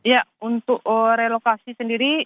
ya untuk relokasi sendiri